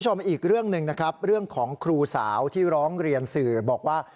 อีกเรื่องหนึ่งนะครับเรื่องของครูสาวที่ร้องเรียนสื่อบอกว่า